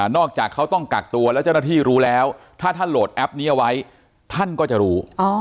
อกจากเขาต้องกักตัวแล้วเจ้าหน้าที่รู้แล้วถ้าท่านโหลดแอปนี้เอาไว้ท่านก็จะรู้